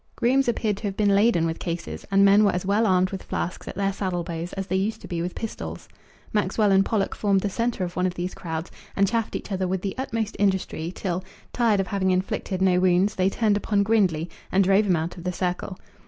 Grooms appeared to have been laden with cases, and men were as well armed with flasks at their saddle bows as they used to be with pistols. Maxwell and Pollock formed the centre of one of these crowds, and chaffed each other with the utmost industry, till, tired of having inflicted no wounds, they turned upon Grindley and drove him out of the circle.